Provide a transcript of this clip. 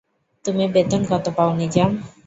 তুমি বেতন কত পাও নিজাম?